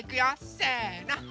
せの。